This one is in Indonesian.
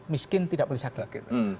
miskin tidak boleh sakit